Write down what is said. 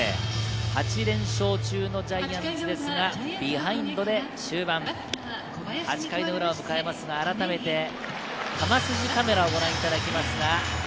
８連勝中のジャイアンツですがビハインドで終盤、８回の裏を迎えますが、あらためて球筋カメラをご覧いただきます。